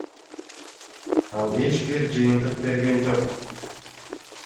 Ал эч бир жыйынтык берген жок.